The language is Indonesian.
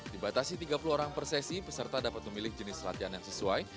dibatasi tiga puluh orang per sesi peserta dapat memilih jenis latihan yang sesuai